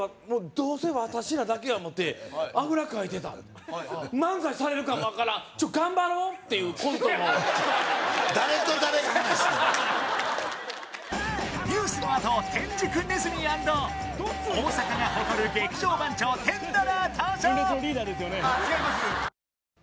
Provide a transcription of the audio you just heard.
どうせ私らだけや思てあぐらかいてたっていうコントのニュースのあと天竺鼠＆大阪が誇る劇場番長テンダラー登場